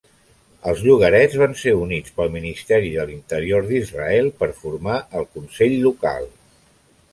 Els llogarets van ser units pel Ministeri de l'Interior d'Israel per formar el consell local.